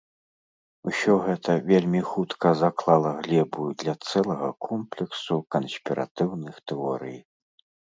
Усё гэта вельмі хутка заклала глебу для цэлага комплексу канспіратыўных тэорый.